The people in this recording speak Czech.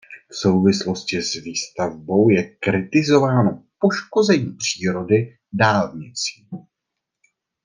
V souvislosti s výstavbou je kritizováno poškození přírody dálnicí.